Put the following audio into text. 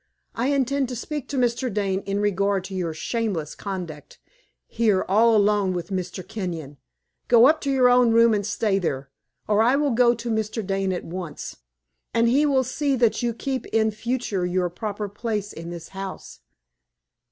I intend to speak to Mr. Dane in regard to your shameless conduct, here all alone with Mr. Kenyon. Go up to your own room and stay there, or I will go to Mr. Dane at once, and he will see that you keep in future your proper place in this house."